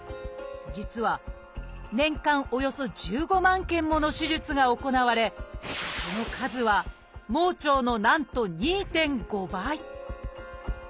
実は年間およそ１５万件もの手術が行われその数は盲腸のなんと２．５倍。